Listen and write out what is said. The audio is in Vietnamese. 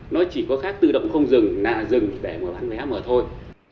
nó chỉ có khác tự động không dừng là dừng để một bán vé mở thôi